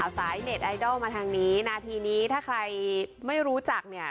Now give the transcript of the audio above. สายเน็ตไอดอลมาทางนี้นาทีนี้ถ้าใครไม่รู้จักเนี่ย